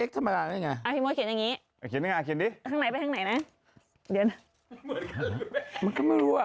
ข้างไหนไปข้างไหนนะ